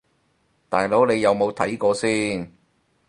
大佬你有冇睇過先